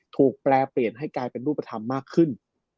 แปลเปลี่ยนให้กลายเป็นรูปธรรมมากขึ้น